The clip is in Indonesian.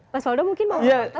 mas faudo mungkin mau nge review